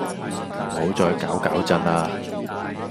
唔好再搞搞震呀